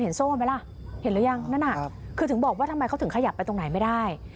เห็นแล้วยังนั่นอ่ะคือถึงบอกว่าทำไมเขาถึงขยับไปตรงไหนไม่ได้